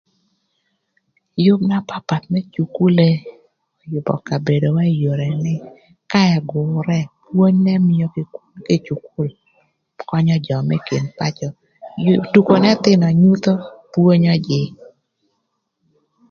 Yüb na papath më cukule yübö kabedowa ï yore nï ka ëgürë pwonyo n'ëmïö kï cukule konyo jö më kin pacö, tuko n'ëthïnö nyutho pwonyo jïï.